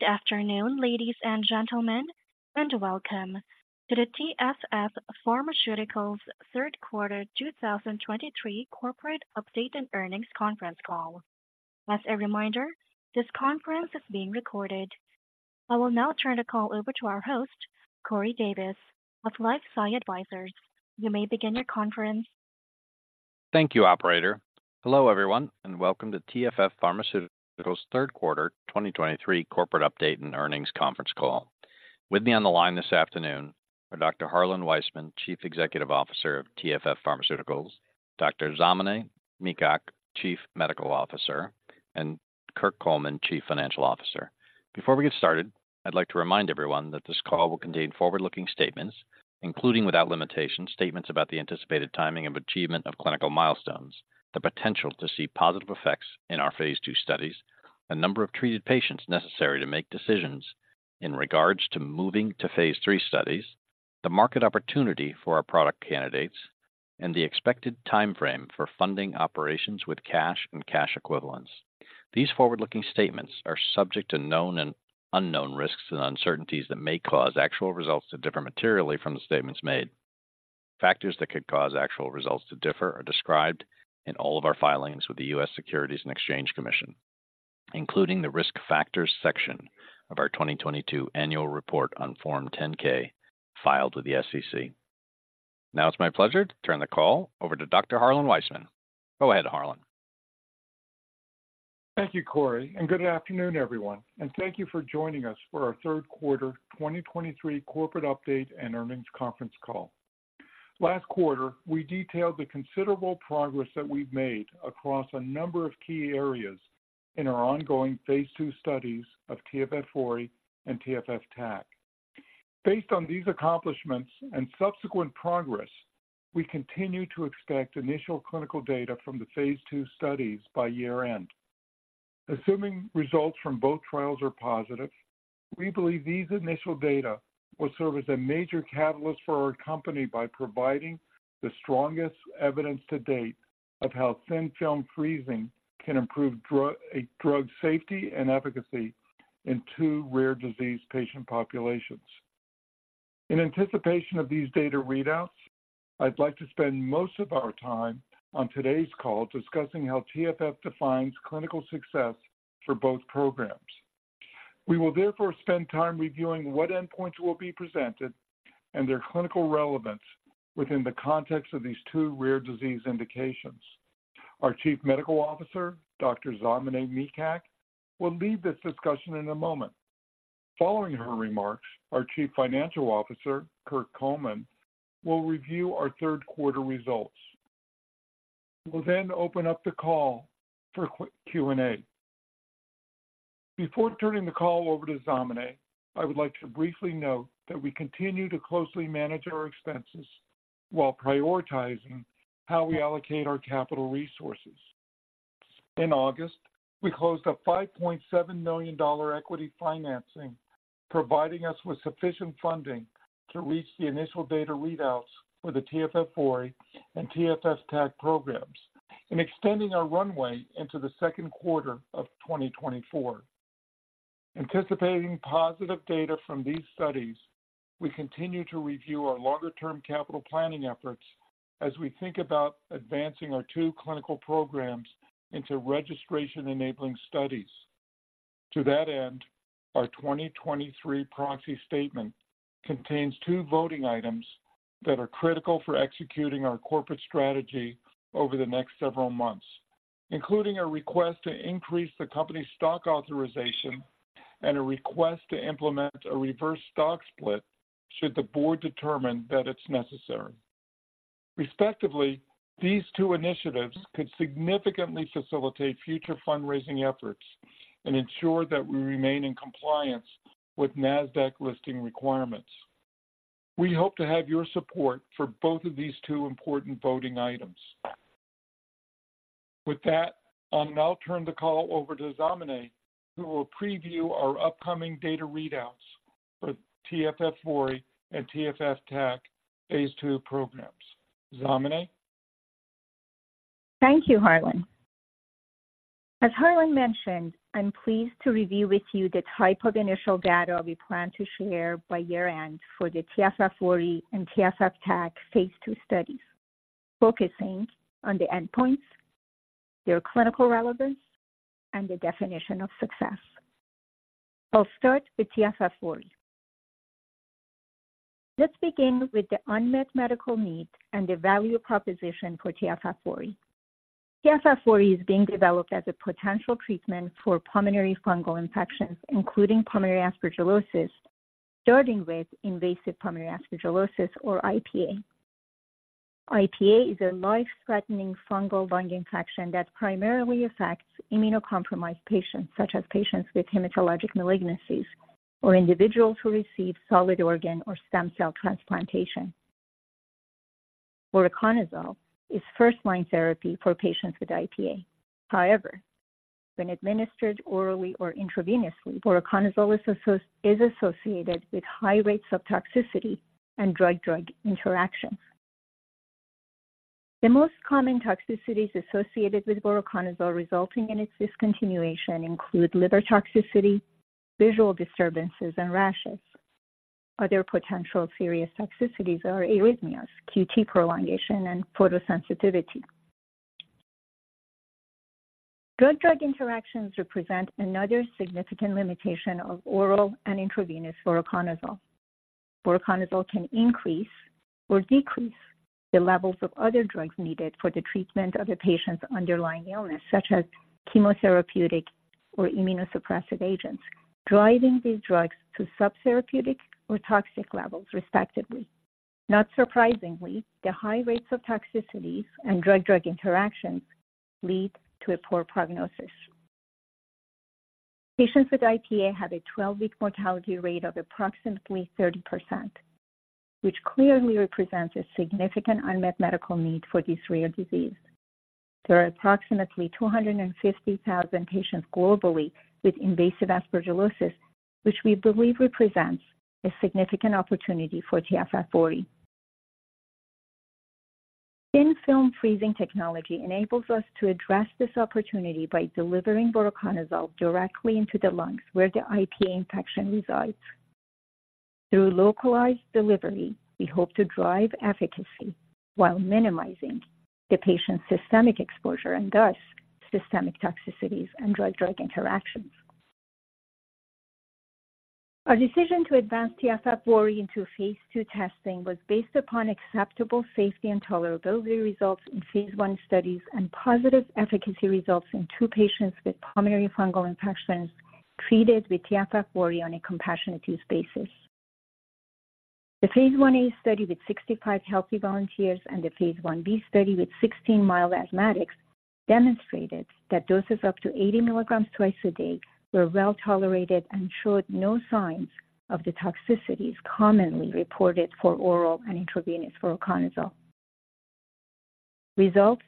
Good afternoon, ladies and gentlemen, and welcome to the TFF Pharmaceuticals third quarter 2023 corporate update and earnings conference call. As a reminder, this conference is being recorded. I will now turn the call over to our host, Corey Davis, of LifeSci Advisors. You may begin your conference. Thank you, operator. Hello, everyone, and welcome to TFF Pharmaceuticals third quarter 2023 corporate update and earnings conference call. With me on the line this afternoon are Dr. Harlan Weisman, Chief Executive Officer of TFF Pharmaceuticals, Dr. Zamaneh Mikhak, Chief Medical Officer, and Kirk Coleman, Chief Financial Officer. Before we get started, I'd like to remind everyone that this call will contain forward-looking statements, including without limitation, statements about the anticipated timing of achievement of clinical milestones, the potential to see positive effects in our phase II studies, the number of treated patients necessary to make decisions in regards to moving to phase III studies, the market opportunity for our product candidates, and the expected timeframe for funding operations with cash and cash equivalents. These forward-looking statements are subject to known and unknown risks and uncertainties that may cause actual results to differ materially from the statements made. Factors that could cause actual results to differ are described in all of our filings with the U.S. Securities and Exchange Commission, including the Risk Factors section of our 2022 annual report on Form 10-K, filed with the SEC. Now it's my pleasure to turn the call over to Dr. Harlan Weisman. Go ahead, Harlan. Thank you, Corey, and good afternoon, everyone, and thank you for joining us for our third quarter 2023 corporate update and earnings conference call. Last quarter, we detailed the considerable progress that we've made across a number of key areas in our ongoing phase II studies of TFF VORI and TFF TAC. Based on these accomplishments and subsequent progress, we continue to expect initial clinical data from the phase II studies by year-end. Assuming results from both trials are positive, we believe these initial data will serve as a major catalyst for our company by providing the strongest evidence to date of how Thin Film Freezing can improve drug, a drug safety and efficacy in two rare disease patient populations. In anticipation of these data readouts, I'd like to spend most of our time on today's call discussing how TFF defines clinical success for both programs. We will therefore spend time reviewing what endpoints will be presented and their clinical relevance within the context of these two rare disease indications. Our Chief Medical Officer, Dr. Zamaneh Mikhak, will lead this discussion in a moment. Following her remarks, our Chief Financial Officer, Kirk Coleman, will review our third quarter results. We'll then open up the call for Q&A. Before turning the call over to Zamaneh, I would like to briefly note that we continue to closely manage our expenses while prioritizing how we allocate our capital resources. In August, we closed a $5.7 million equity financing, providing us with sufficient funding to reach the initial data readouts for the TFF VORI and TFF TAC programs and extending our runway into the second quarter of 2024. Anticipating positive data from these studies, we continue to review our longer-term capital planning efforts as we think about advancing our two clinical programs into registration-enabling studies. To that end, our 2023 proxy statement contains two voting items that are critical for executing our corporate strategy over the next several months, including a request to increase the company's stock authorization and a request to implement a reverse stock split should the board determine that it's necessary. Respectively, these two initiatives could significantly facilitate future fundraising efforts and ensure that we remain in compliance with NASDAQ listing requirements. We hope to have your support for both of these two important voting items. With that, I'll now turn the call over to Zamaneh, who will preview our upcoming data readouts for TFF VORI and TFF TAC phase II programs. Zamaneh? Thank you, Harlan. As Harlan mentioned, I'm pleased to review with you the type of initial data we plan to share by year-end for the TFF VORI and TFF TAC phase II studies, focusing on the endpoints, their clinical relevance, and the definition of success. I'll start with TFF VORI. Let's begin with the unmet medical need and the value proposition for TFF VORI. TFF VORI is being developed as a potential treatment for pulmonary fungal infections, including pulmonary aspergillosis, starting with invasive pulmonary aspergillosis or IPA. IPA is a life-threatening fungal lung infection that primarily affects immunocompromised patients, such as patients with hematologic malignancies or individuals who receive solid organ or stem cell transplantation. Voriconazole is first-line therapy for patients with IPA. However, when administered orally or intravenously, voriconazole is associated with high rates of toxicity and drug-drug interactions. The most common toxicities associated with voriconazole resulting in its discontinuation include liver toxicity, visual disturbances, and rashes. Other potential serious toxicities are arrhythmias, QT prolongation, and photosensitivity. Drug- drug interactions represent another significant limitation of oral and intravenous voriconazole. Voriconazole can increase or decrease the levels of other drugs needed for the treatment of a patient's underlying illness, such as chemotherapeutic or immunosuppressive agents, driving these drugs to subtherapeutic or toxic levels, respectively. Not surprisingly, the high rates of toxicities and drug-drug interactions lead to a poor prognosis. Patients with IPA have a 12-week mortality rate of approximately 30%, which clearly represents a significant unmet medical need for this rare disease. There are approximately 250,000 patients globally with invasive aspergillosis, which we believe represents a significant opportunity for TFF VORI. Thin Film Freezing technology enables us to address this opportunity by delivering voriconazole directly into the lungs, where the IPA infection resides. Through localized delivery, we hope to drive efficacy while minimizing the patient's systemic exposure and thus systemic toxicities and drug-drug interactions. Our decision to advance TFF VORI into phase II testing was based upon acceptable safety and tolerability results in phase I studies and positive efficacy results in two patients with pulmonary fungal infections treated with TFF VORI on a compassionate use basis. The phase I-A study with 65 healthy volunteers and the phase I-B study with 16 mild asthmatics demonstrated that doses up to 80 milligrams twice a day were well-tolerated and showed no signs of the toxicities commonly reported for oral and intravenous voriconazole. Results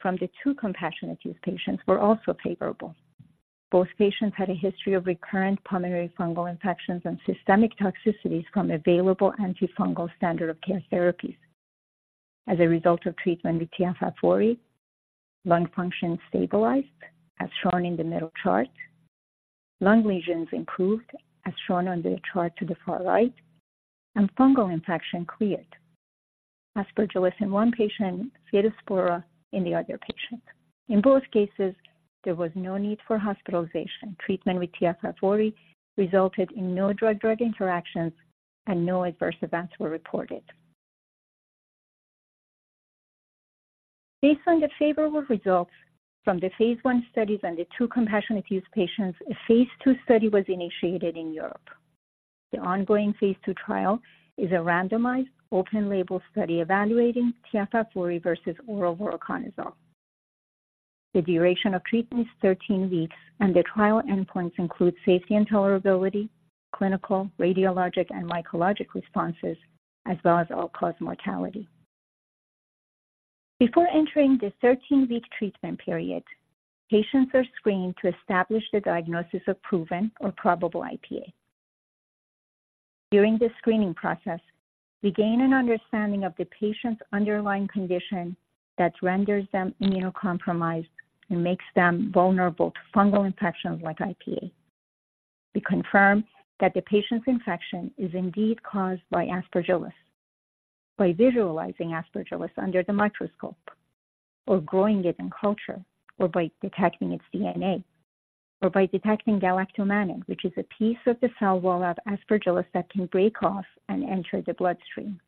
from the two compassionate use patients were also favorable. Both patients had a history of recurrent pulmonary fungal infections and systemic toxicities from available antifungal standard of care therapies. As a result of treatment with TFF VORI, lung function stabilized, as shown in the middle chart. Lung lesions improved, as shown on the chart to the far right, and fungal infection cleared. Aspergillus in one patient, Scedosporium in the other patient. In both cases, there was no need for hospitalization. Treatment with TFF VORI resulted in no drug-drug interactions, and no adverse events were reported. Based on the favorable results from the phase I studies and the two compassionate use patients, a phase II study was initiated in Europe. The ongoing phase II trial is a randomized, open-label study evaluating TFF VORI versus oral voriconazole. The duration of treatment is 13 weeks, and the trial endpoints include safety and tolerability, clinical, radiologic, and mycologic responses, as well as all-cause mortality. Before entering the 13-week treatment period, patients are screened to establish the diagnosis of proven or probable IPA. During the screening process, we gain an understanding of the patient's underlying condition that renders them immunocompromised and makes them vulnerable to fungal infections like IPA. We confirm that the patient's infection is indeed caused by Aspergillus by visualizing Aspergillus under the microscope, or growing it in culture, or by detecting its DNA, or by detecting galactomannan, which is a piece of the cell wall of Aspergillus that can break off and enter the bloodstream.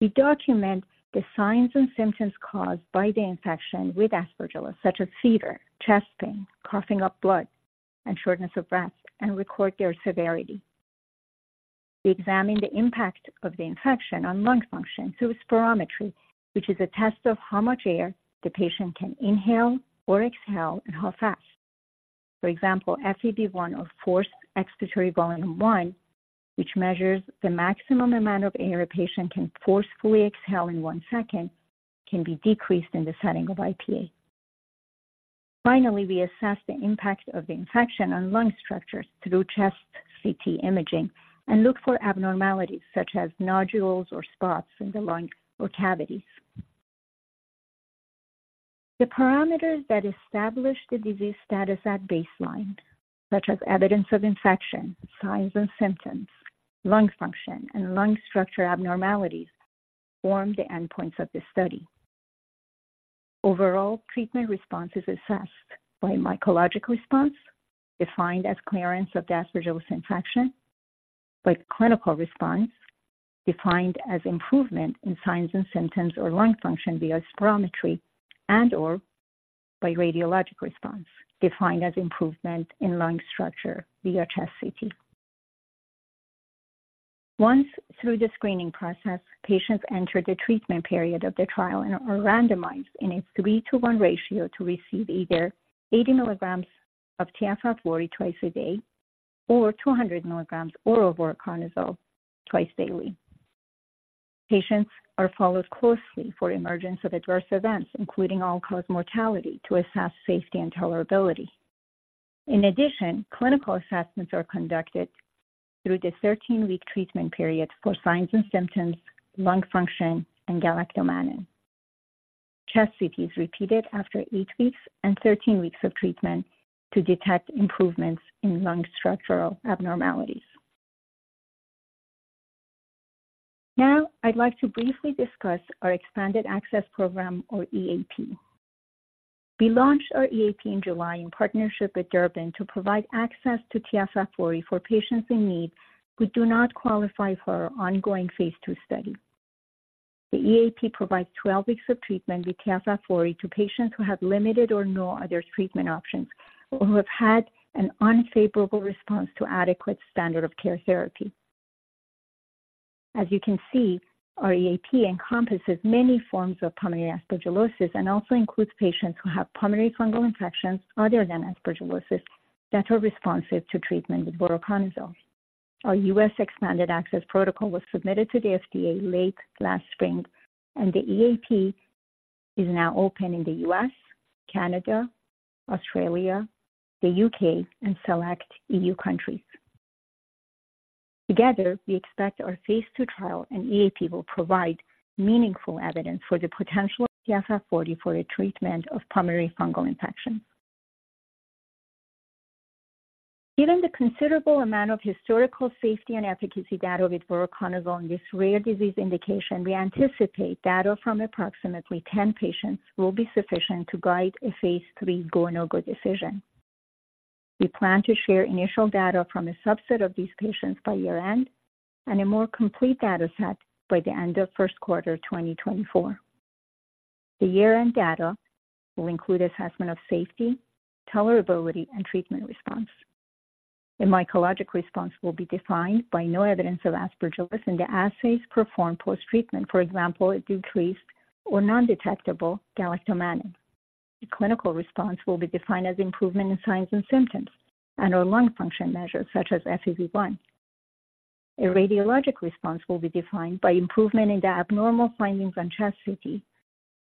We document the signs and symptoms caused by the infection with Aspergillus, such as fever, chest pain, coughing up blood, and shortness of breath, and record their severity. We examine the impact of the infection on lung function through spirometry, which is a test of how much air the patient can inhale or exhale and how fast. For example, FEV1 or forced expiratory volume in 1, which measures the maximum amount of air a patient can forcefully exhale in 1 second, can be decreased in the setting of IPA. Finally, we assess the impact of the infection on lung structures through chest CT imaging and look for abnormalities such as nodules or spots in the lungs or cavities. The parameters that establish the disease status at baseline, such as evidence of infection, signs and symptoms, lung function, and lung structure abnormalities, form the endpoints of this study. Overall treatment response is assessed by mycologic response, defined as clearance of the Aspergillus infection. By clinical response, defined as improvement in signs and symptoms or lung function via spirometry. And/or by radiologic response, defined as improvement in lung structure via chest CT. Once through the screening process, patients enter the treatment period of the trial and are randomized in a 3-to-1 ratio to receive either 80 milligrams of TFF VORI twice a day or 200 milligrams oral voriconazole twice daily. Patients are followed closely for emergence of adverse events, including all-cause mortality, to assess safety and tolerability. In addition, clinical assessments are conducted through the 13-week treatment period for signs and symptoms, lung function, and galactomannan. Chest CT is repeated after eight weeks and 13 weeks of treatment to detect improvements in lung structural abnormalities. Now, I'd like to briefly discuss our expanded access program or EAP. We launched our EAP in July in partnership with Durbin to provide access to TFF VORI for patients in need who do not qualify for our ongoing phase II study. The EAP provides 12 weeks of treatment with TFF VORI to patients who have limited or no other treatment options or who have had an unfavorable response to adequate standard of care therapy. As you can see, our EAP encompasses many forms of pulmonary aspergillosis and also includes patients who have pulmonary fungal infections other than aspergillosis that are responsive to treatment with voriconazole. Our U.S. expanded access protocol was submitted to the FDA late last spring, and the EAP is now open in the U.S., Canada, Australia, the U.K., and select EU countries. Together, we expect our phase II trial and EAP will provide meaningful evidence for the potential of TFF VORI for the treatment of pulmonary fungal infections. Given the considerable amount of historical safety and efficacy data with Voriconazole in this rare disease indication, we anticipate data from approximately 10 patients will be sufficient to guide a phase III go or no-go decision. We plan to share initial data from a subset of these patients by year-end and a more complete data set by the end of first quarter 2024. The year-end data will include assessment of safety, tolerability, and treatment response. A mycologic response will be defined by no evidence of Aspergillus in the assays performed post-treatment. For example, a decreased or non-detectable Galactomannan. A clinical response will be defined as improvement in signs and symptoms and/or lung function measures such as FEV1. A radiologic response will be defined by improvement in the abnormal findings on chest CT,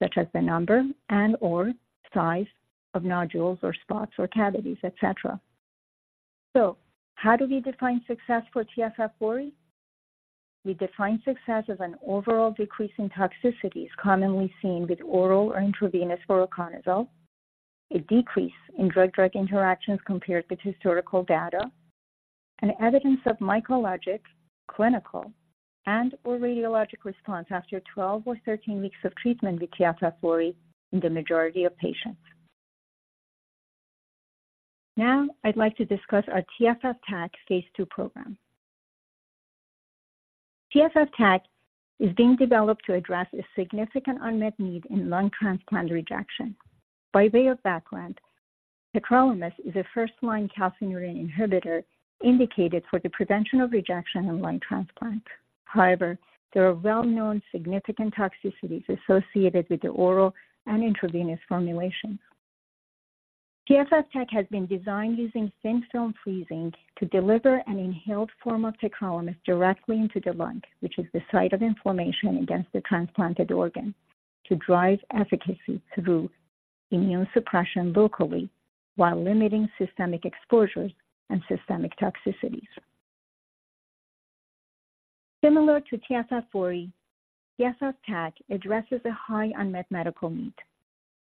such as the number and/or size of nodules or spots or cavities, et cetera. So how do we define success for TFF VORI? We define success as an overall decrease in toxicities commonly seen with oral or intravenous voriconazole, a decrease in drug-drug interactions compared with historical data, and evidence of mycologic, clinical, and/or radiologic response after 12 or 13 weeks of treatment with TFF VORI in the majority of patients. Now, I'd like to discuss our TFF TAC phase II program. TFF TAC is being developed to address a significant unmet need in lung transplant rejection. By way of background, tacrolimus is a first-line calcineurin inhibitor indicated for the prevention of rejection and lung transplant. However, there are well-known significant toxicities associated with the oral and intravenous formulations. TAC has been designed using Thin Film Freezing to deliver an inhaled form of tacrolimus directly into the lung, which is the site of inflammation against the transplanted organ, to drive efficacy through immune suppression locally while limiting systemic exposures and systemic toxicities. Similar to TFF VORI, TFF TAC addresses a high unmet medical need.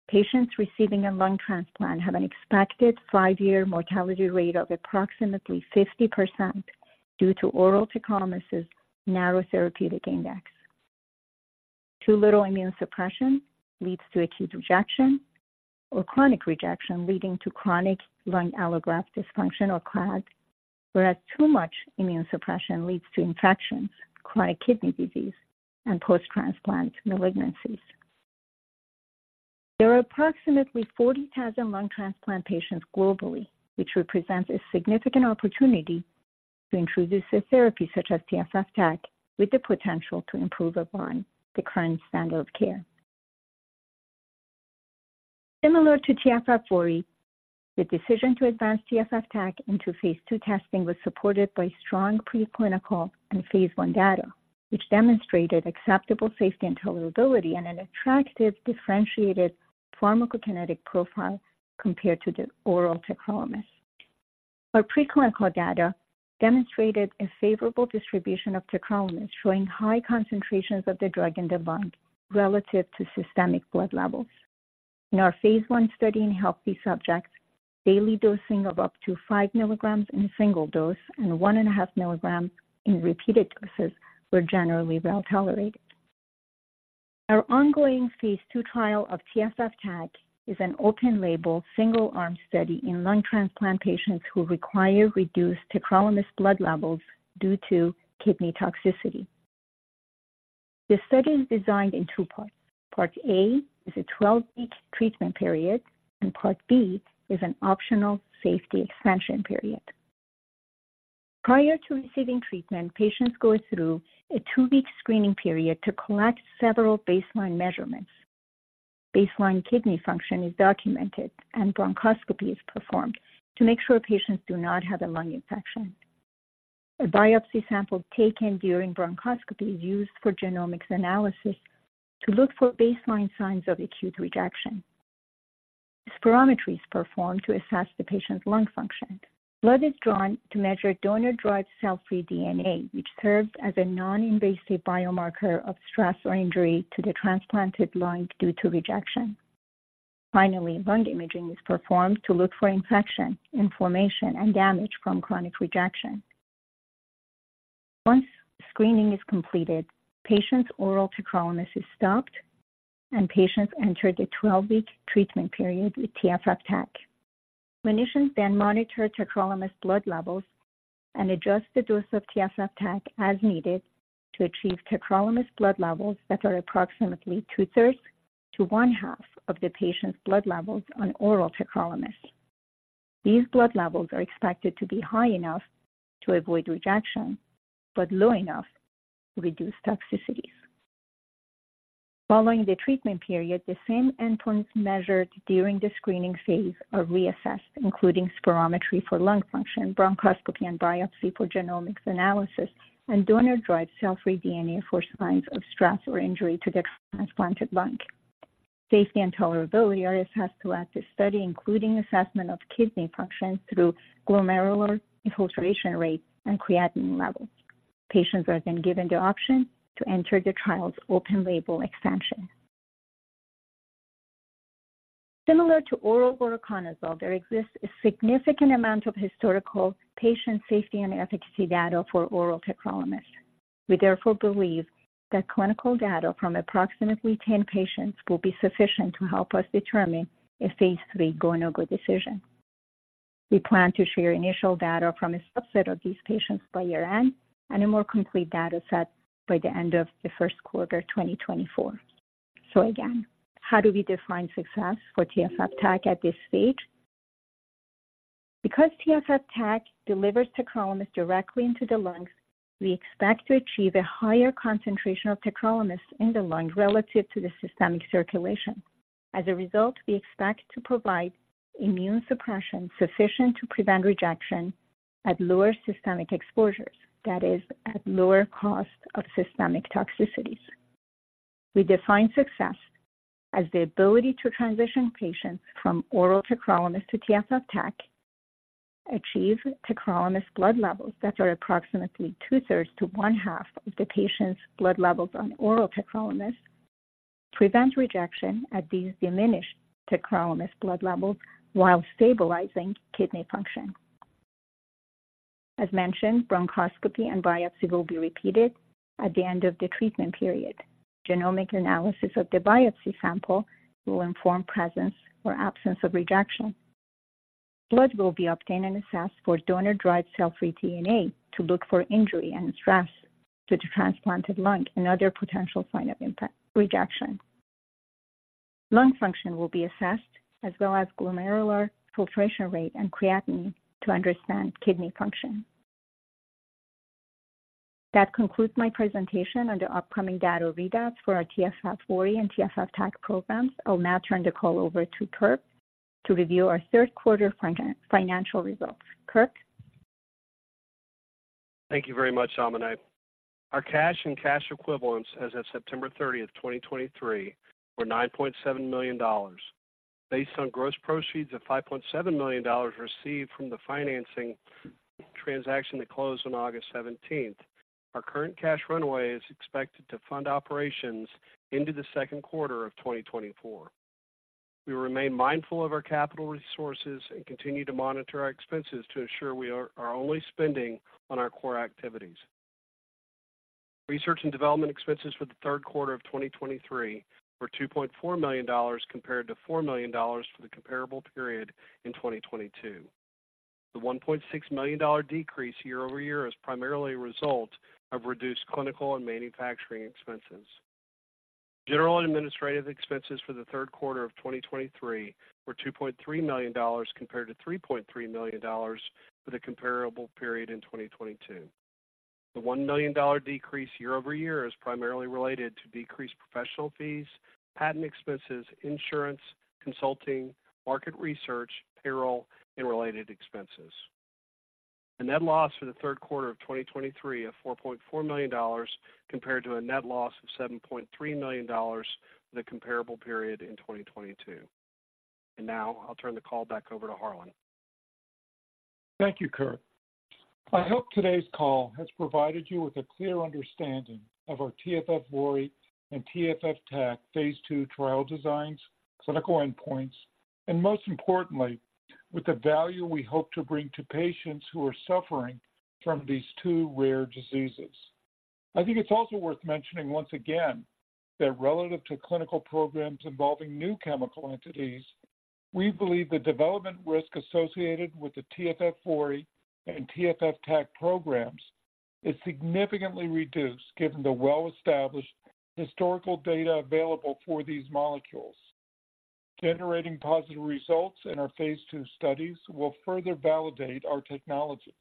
Patients receiving a lung transplant have an expected five-year mortality rate of approximately 50% due to oral tacrolimus's narrow therapeutic index. Too little immune suppression leads to acute rejection or chronic rejection, leading to chronic lung allograft dysfunction or CLAD, whereas too much immune suppression leads to infections, chronic kidney disease, and post-transplant malignancies. There are approximately 40,000 lung transplant patients globally, which represents a significant opportunity to introduce a therapy such as TFF TAC, with the potential to improve upon the current standard of care. Similar to TFF VORI, the decision to advance TFF TAC into phase II testing was supported by strong preclinical and phase I data, which demonstrated acceptable safety and tolerability and an attractive differentiated pharmacokinetic profile compared to the oral tacrolimus. Our preclinical data demonstrated a favorable distribution of tacrolimus, showing high concentrations of the drug in the lung relative to systemic blood levels. In our phase I study in healthy subjects, daily dosing of up to 5 milligrams in a single dose and 1.5 milligrams in repeated doses were generally well tolerated. Our ongoing phase II trial of TFF TAC is an open-label, single-arm study in lung transplant patients who require reduced tacrolimus blood levels due to kidney toxicity. The study is designed in two parts. Part A is a 12-week treatment period, and part B is an optional safety expansion period. Prior to receiving treatment, patients go through a two-week screening period to collect several baseline measurements. Baseline kidney function is documented, and bronchoscopy is performed to make sure patients do not have a lung infection. A biopsy sample taken during bronchoscopy is used for genomics analysis to look for baseline signs of acute rejection. Spirometry is performed to assess the patient's lung function. Blood is drawn to measure donor-derived cell-free DNA, which serves as a non-invasive biomarker of stress or injury to the transplanted lung due to rejection. Finally, lung imaging is performed to look for infection, inflammation, and damage from chronic rejection. Once screening is completed, patient's oral tacrolimus is stopped, and patients enter the 12-week treatment period with TFF TAC. Clinicians then monitor tacrolimus blood levels and adjust the dose of TFF TAC as needed to achieve tacrolimus blood levels that are approximately two-thirds to one-half of the patient's blood levels on oral tacrolimus. These blood levels are expected to be high enough to avoid rejection but low enough to reduce toxicities. Following the treatment period, the same endpoints measured during the screening phase are reassessed, including spirometry for lung function, bronchoscopy and biopsy for genomics analysis, and donor-derived cell-free DNA for signs of stress or injury to the transplanted lung. Safety and tolerability are assessed throughout the study, including assessment of kidney function through glomerular filtration rate and creatinine levels. Patients are then given the option to enter the trial's open-label expansion. Similar to oral voriconazole, there exists a significant amount of historical patient safety and efficacy data for oral tacrolimus. We therefore believe that clinical data from approximately 10 patients will be sufficient to help us determine a phase III go/no-go decision. We plan to share initial data from a subset of these patients by year-end and a more complete data set by the end of the first quarter, 2024. So again, how do we define success for TFF TAC at this stage? Because TFF TAC delivers tacrolimus directly into the lungs, we expect to achieve a higher concentration of tacrolimus in the lung relative to the systemic circulation. As a result, we expect to provide immune suppression sufficient to prevent rejection at lower systemic exposures, that is, at lower cost of systemic toxicities. We define success as the ability to transition patients from oral tacrolimus to TFF TAC, achieve tacrolimus blood levels that are approximately two-thirds to one-half of the patient's blood levels on oral tacrolimus, prevent rejection at these diminished tacrolimus blood levels while stabilizing kidney function. As mentioned, bronchoscopy and biopsy will be repeated at the end of the treatment period. Genomic analysis of the biopsy sample will inform presence or absence of rejection. Blood will be obtained and assessed for donor-derived cell-free DNA to look for injury and stress to the transplanted lung and other potential sign of impact, rejection. Lung function will be assessed, as well as glomerular filtration rate and creatinine to understand kidney function. That concludes my presentation on the upcoming data readouts for our TFF VORI and TFF TAC programs. I'll now turn the call over to Kirk to review our third quarter financial results. Kirk? Thank you very much, Zamaneh. Our cash and cash equivalents as of September 30, 2023, were $9.7 million. Based on gross proceeds of $5.7 million received from the financing transaction that closed on August 17, our current cash runway is expected to fund operations into the second quarter of 2024. We remain mindful of our capital resources and continue to monitor our expenses to ensure we are only spending on our core activities. Research and development expenses for the third quarter of 2023 were $2.4 million, compared to $4 million for the comparable period in 2022. The $1.6 million decrease year-over-year is primarily a result of reduced clinical and manufacturing expenses. General and administrative expenses for the third quarter of 2023 were $2.3 million, compared to $3.3 million for the comparable period in 2022. The $1 million decrease year-over-year is primarily related to decreased professional fees, patent expenses, insurance, consulting, market research, payroll, and related expenses. The net loss for the third quarter of 2023 of $4.4 million, compared to a net loss of $7.3 million for the comparable period in 2022. And now I'll turn the call back over to Harlan. Thank you, Kirk. I hope today's call has provided you with a clear understanding of our TFF VORI and TFF TAC phase II trial designs, clinical endpoints, and most importantly, with the value we hope to bring to patients who are suffering from these two rare diseases. I think it's also worth mentioning once again, that relative to clinical programs involving new chemical entities, we believe the development risk associated with the TFF VORI and TFF TAC programs is significantly reduced, given the well-established historical data available for these molecules. Generating positive results in our phase II studies will further validate our technology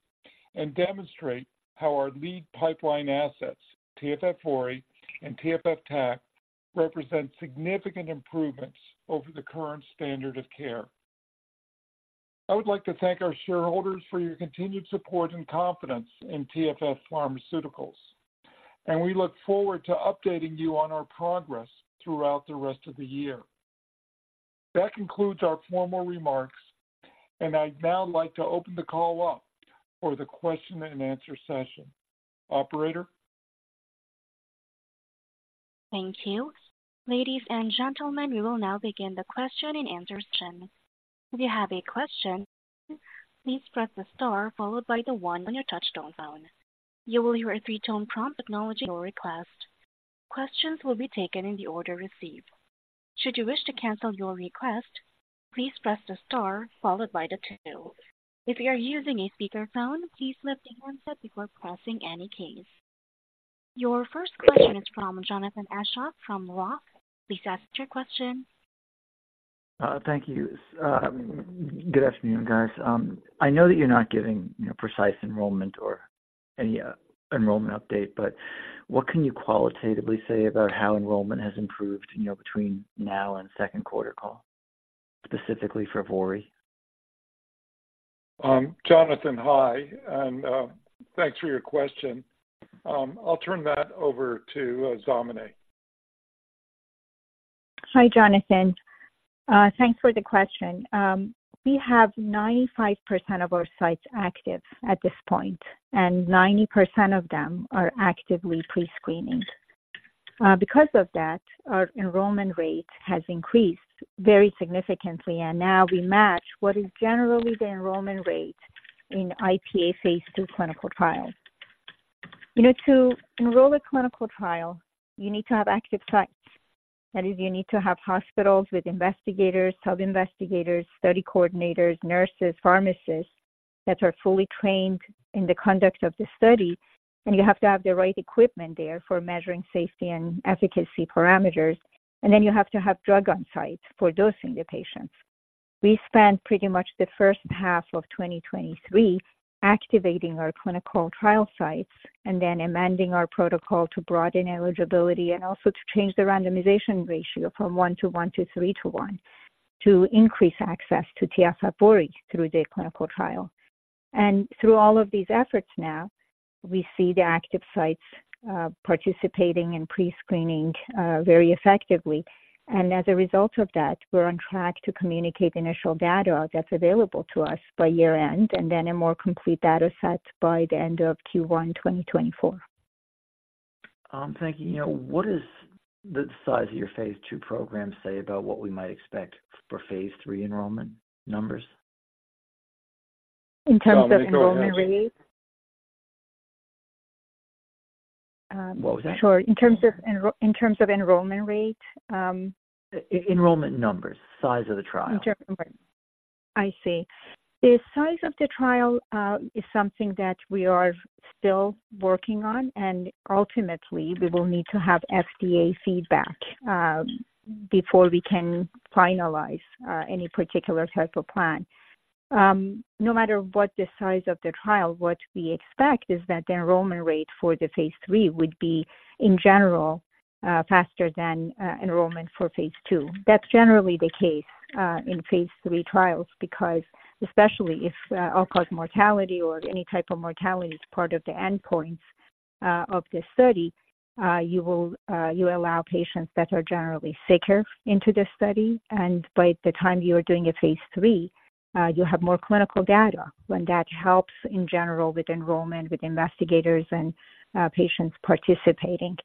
and demonstrate how our lead pipeline assets, TFF VORI and TFF TAC, represent significant improvements over the current standard of care.... I would like to thank our shareholders for your continued support and confidence in TFF Pharmaceuticals, and we look forward to updating you on our progress throughout the rest of the year. That concludes our formal remarks, and I'd now like to open the call up for the question and answer session. Operator? Thank you. Ladies and gentlemen, we will now begin the question and answer session. If you have a question, please press the star followed by the one on your touch-tone phone. You will hear a three-tone prompt acknowledging your request. Questions will be taken in the order received. Should you wish to cancel your request, please press the star followed by the two. If you are using a speakerphone, please lift it once before pressing any keys. Your first question is from Jonathan Aschoff from ROTH. Please ask your question. Thank you. Good afternoon, guys. I know that you're not giving, you know, precise enrollment or any enrollment update, but what can you qualitatively say about how enrollment has improved, you know, between now and second quarter call, specifically for VORI? Jonathan, hi, and thanks for your question. I'll turn that over to Zamaneh. Hi, Jonathan. Thanks for the question. We have 95% of our sites active at this point, and 90% of them are actively pre-screening. Because of that, our enrollment rate has increased very significantly, and now we match what is generally the enrollment rate in IPA phase II clinical trial. You know, to enroll a clinical trial, you need to have active sites. That is, you need to have hospitals with investigators, sub-investigators, study coordinators, nurses, pharmacists, that are fully trained in the conduct of the study, and you have to have the right equipment there for measuring safety and efficacy parameters. And then you have to have drug on site for dosing the patients. We spent pretty much the first half of 2023 activating our clinical trial sites and then amending our protocol to broaden eligibility and also to change the randomization ratio from 1 to 1 to 3 to 1, to increase access to TFF VORI through the clinical trial. And through all of these efforts now, we see the active sites participating and pre-screening very effectively. And as a result of that, we're on track to communicate initial data that's available to us by year-end, and then a more complete data set by the end of Q1 2024. Thank you. You know, what is the size of your phase two program, say about what we might expect for phase three enrollment numbers? In terms of enrollment rate? Uh, enrollment. What was that? Sure. In terms of enrollment rate, Enrollment numbers, size of the trial. I see. The size of the trial is something that we are still working on, and ultimately we will need to have FDA feedback before we can finalize any particular type of plan. No matter what the size of the trial, what we expect is that the enrollment rate for the phase III would be, in general, faster than enrollment for phase II. That's generally the case in phase III trials, because especially if all-cause mortality or any type of mortality is part of the endpoint of the study, you allow patients that are generally sicker into the study, and by the time you are doing a phase III, you have more clinical data, and that helps in general with enrollment, with investigators and patients participating.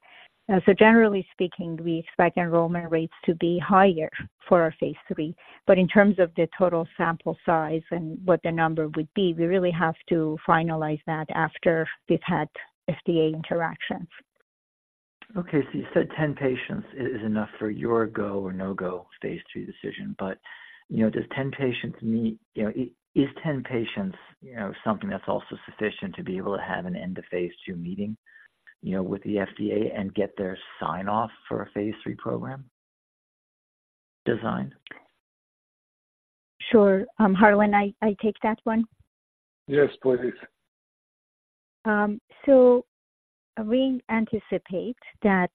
Generally speaking, we expect enrollment rates to be higher for our phase III. In terms of the total sample size and what the number would be, we really have to finalize that after we've had FDA interactions. Okay. So you said 10 patients is enough for your go or no-go phase III decision, but, you know, does 10 patients meet, you know, is 10 patients, you know, something that's also sufficient to be able to have an end-of-phase II meeting, you know, with the FDA and get their sign-off for a phase III program design? Sure. Harlan, I take that one? Yes, please. So we anticipate that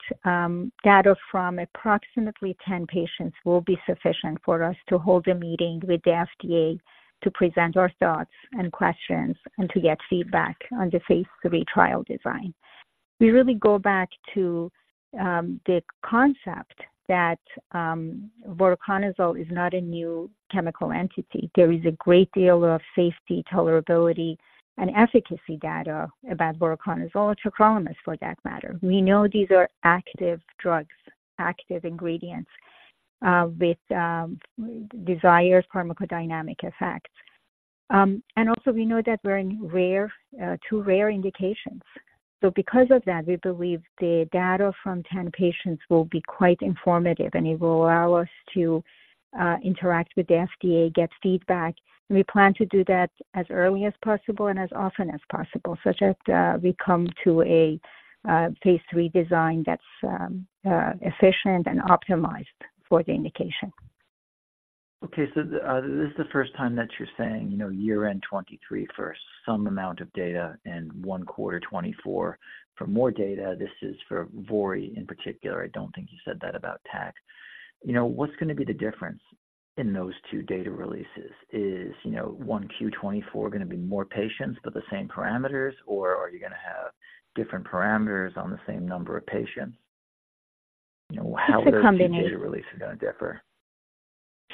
data from approximately 10 patients will be sufficient for us to hold a meeting with the FDA to present our thoughts and questions and to get feedback on the phase III trial design. We really go back to the concept that voriconazole is not a new chemical entity. There is a great deal of safety, tolerability, and efficacy data about voriconazole, tacrolimus for that matter. We know these are active drugs, active ingredients with desired pharmacodynamic effects. And also we know that we're in rare, two rare indications. So because of that, we believe the data from 10 patients will be quite informative, and it will allow us to interact with the FDA, get feedback. We plan to do that as early as possible and as often as possible, such that we come to a phase III design that's efficient and optimized for the indication. Okay, so, this is the first time that you're saying, you know, year-end 2023 for some amount of data and Q1 2024 for more data. This is for VORI in particular. I don't think you said that about TAC. You know, what's going to be the difference in those two data releases? You know, is Q1 2024 going to be more patients but the same parameters, or are you going to have different parameters on the same number of patients? You know, how- It's a combination. The data release is going to differ.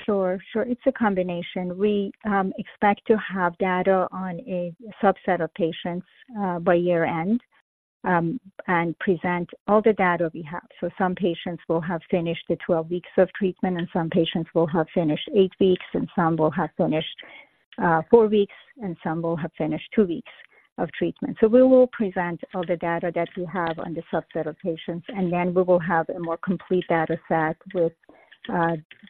Sure, sure. It's a combination. We, expect to have data on a subset of patients, by year-end, and present all the data we have. So some patients will have finished the 12 weeks of treatment, and some patients will have finished eight weeks, and some will have finished, four weeks, and some will have finished two weeks of treatment. So we will present all the data that we have on the subset of patients, and then we will have a more complete data set with,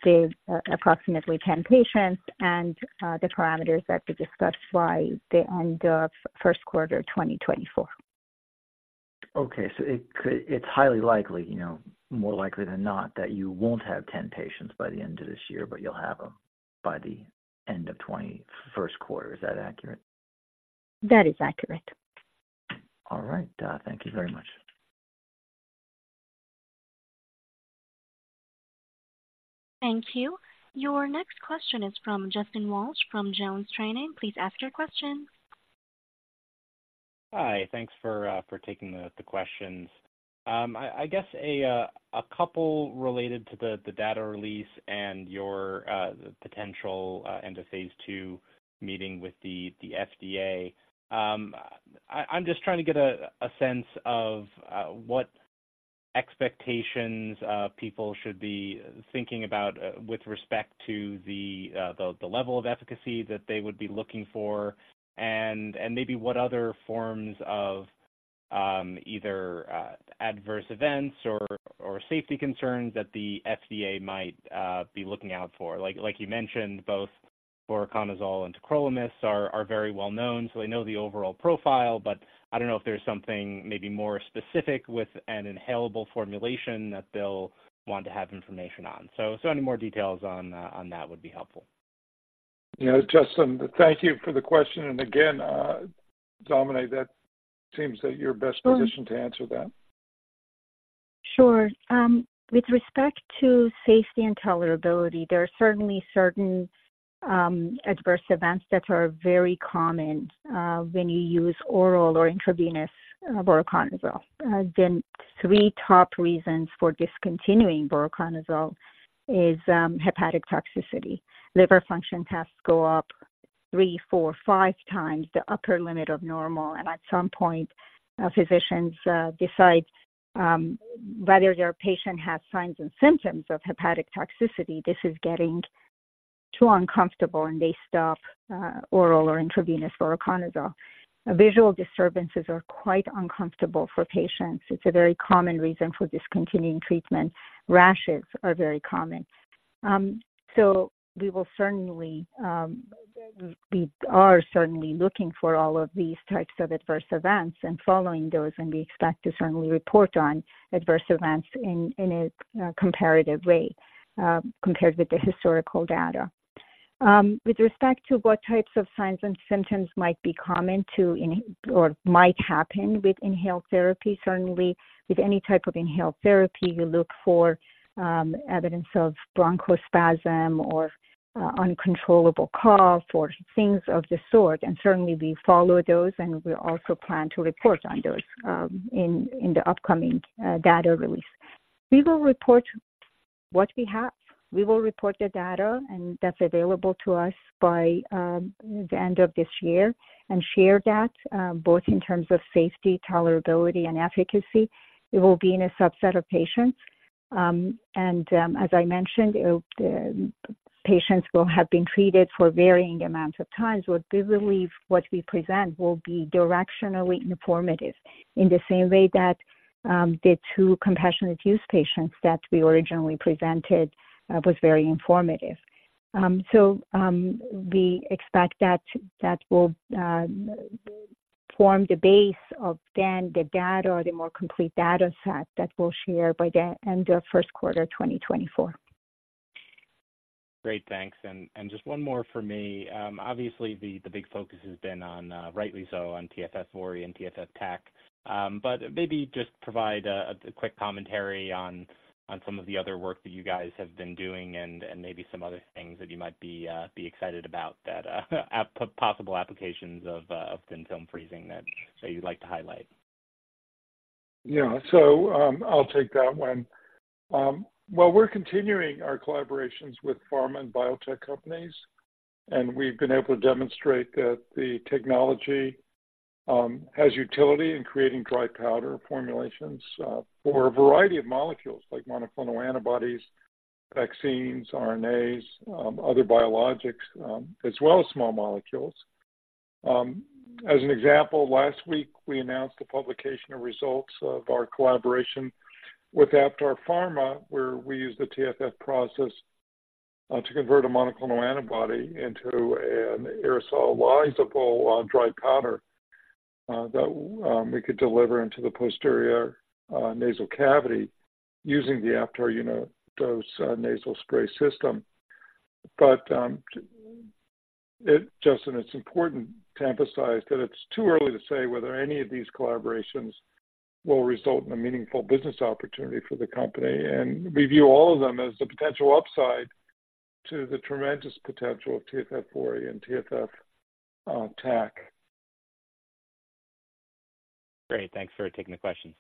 the approximately 10 patients and, the parameters that we discussed by the end of first quarter 2024. Okay. So it's highly likely, you know, more likely than not, that you won't have 10 patients by the end of this year, but you'll have them by the end of 2021 first quarter. Is that accurate? That is accurate. All right. Thank you very much. Thank you. Your next question is from Justin Walsh from JonesTrading. Please ask your question. Hi. Thanks for taking the questions. I guess a couple related to the data release and your potential end-of-phase II meeting with the FDA. I'm just trying to get a sense of what expectations people should be thinking about with respect to the level of efficacy that they would be looking for, and maybe what other forms of either adverse events or safety concerns that the FDA might be looking out for. Like you mentioned, both voriconazole and tacrolimus are very well known, so they know the overall profile. But I don't know if there's something maybe more specific with an inhalable formulation that they'll want to have information on. So any more details on that would be helpful. Yeah, Justin, thank you for the question. And again, Zamaneh, that seems that you're best positioned to answer that. Sure. With respect to safety and tolerability, there are certainly certain adverse events that are very common when you use oral or intravenous voriconazole. Then three top reasons for discontinuing voriconazole is hepatic toxicity. Liver function tests go up 3, 4, 5x the upper limit of normal, and at some point physicians decide whether their patient has signs and symptoms of hepatic toxicity, this is getting too uncomfortable, and they stop oral or intravenous voriconazole. Visual disturbances are quite uncomfortable for patients. It's a very common reason for discontinuing treatment. Rashes are very common. So we will certainly we are certainly looking for all of these types of adverse events and following those, and we expect to certainly report on adverse events in a comparative way compared with the historical data. With respect to what types of signs and symptoms might be common to in or might happen with inhaled therapy, certainly with any type of inhaled therapy, you look for evidence of bronchospasm or uncontrollable cough or things of the sort, and certainly we follow those, and we also plan to report on those in the upcoming data release. We will report what we have. We will report the data, and that's available to us by the end of this year and share that both in terms of safety, tolerability, and efficacy. It will be in a subset of patients. As I mentioned, the patients will have been treated for varying amounts of times, but we believe what we present will be directionally informative in the same way that the two compassionate use patients that we originally presented was very informative. So, we expect that that will form the base of again the data or the more complete data set that we'll share by the end of first quarter 2024. Great, thanks. And just one more for me. Obviously, the big focus has been on, rightly so, on TFF VORI and TFF TAC. But maybe just provide a quick commentary on some of the other work that you guys have been doing and maybe some other things that you might be excited about, that possible applications of Thin Film Freezing that you'd like to highlight. Yeah. So, I'll take that one. Well, we're continuing our collaborations with pharma and biotech companies, and we've been able to demonstrate that the technology has utility in creating dry powder formulations for a variety of molecules like monoclonal antibodies, vaccines, RNAs, other biologics, as well as small molecules. As an example, last week we announced the publication of results of our collaboration with Aptar Pharma, where we used the TFF process to convert a monoclonal antibody into an aerosolizable dry powder that we could deliver into the posterior nasal cavity using the Aptar Unidose nasal spray system. But... Justin, it's important to emphasize that it's too early to say whether any of these collaborations will result in a meaningful business opportunity for the company, and we view all of them as the potential upside to the tremendous potential of TFF VORI and TFF TAC. Great. Thanks for taking the questions.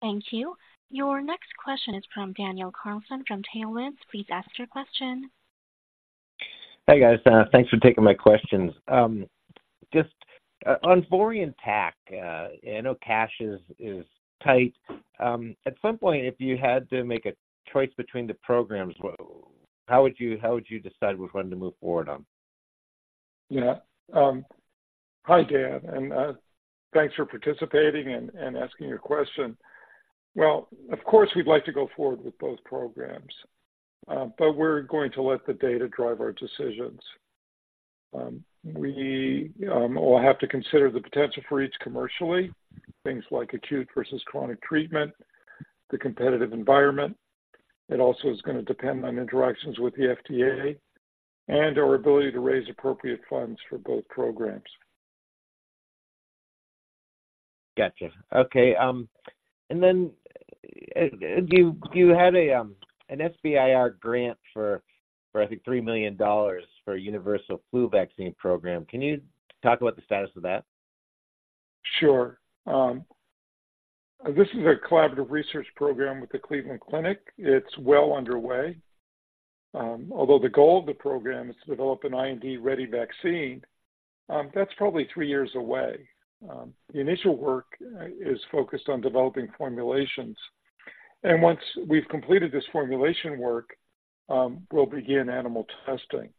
Thank you. Your next question is from Daniel Carlson from Tailwinds. Please ask your question. Hi, guys. Thanks for taking my questions. Just, on VORI and TAC, I know cash is, is tight. At some point, if you had to make a choice between the programs, what, how would you, how would you decide which one to move forward on? Yeah. Hi, Dan, and thanks for participating and asking your question. Well, of course, we'd like to go forward with both programs, but we're going to let the data drive our decisions. We will have to consider the potential for each commercially, things like acute versus chronic treatment, the competitive environment. It also is gonna depend on interactions with the FDA and our ability to raise appropriate funds for both programs. Gotcha. Okay, and then, you had an SBIR grant for, I think, $3 million for a universal flu vaccine program. Can you talk about the status of that? Sure. This is a collaborative research program with the Cleveland Clinic. It's well underway. Although the goal of the program is to develop an IND-ready vaccine, that's probably three years away. The initial work is focused on developing formulations, and once we've completed this formulation work, we'll begin animal testing.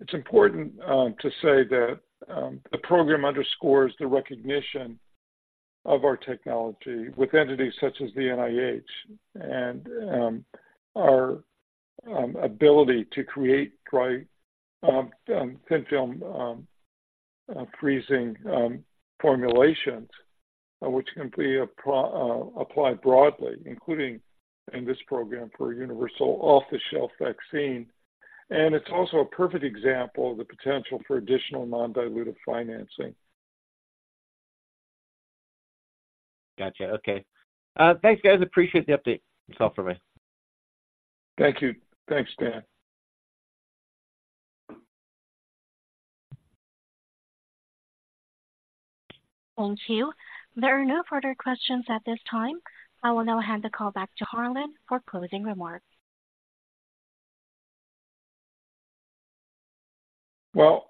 It's important to say that the program underscores the recognition of our technology with entities such as the NIH and our ability to create dry thin film freezing formulations, which can be applied broadly, including in this program for a universal off-the-shelf vaccine. And it's also a perfect example of the potential for additional non-dilutive financing. Gotcha. Okay. Thanks, guys. Appreciate the update. That's all for me. Thank you. Thanks, Dan. Thank you. There are no further questions at this time. I will now hand the call back to Harlan for closing remarks. Well,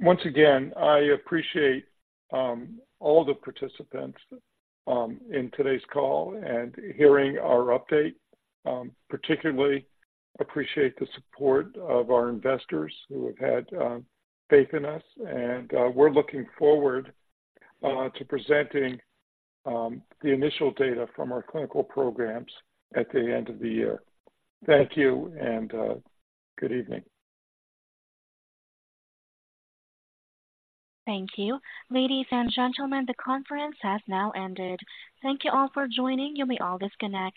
once again, I appreciate all the participants in today's call and hearing our update. Particularly appreciate the support of our investors who have had faith in us, and we're looking forward to presenting the initial data from our clinical programs at the end of the year. Thank you, and good evening. Thank you. Ladies and gentlemen, the conference has now ended. Thank you all for joining. You may all disconnect.